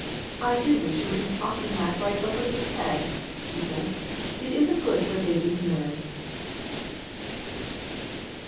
" I do wish you wouldn't talk and laugh right over his head," she said; "it isn't good for a baby's nerves."